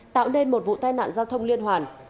tạo nên một vụ tai nạn giao thông liên hoàn